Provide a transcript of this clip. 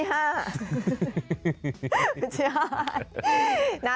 ไม่ใช่๕ให้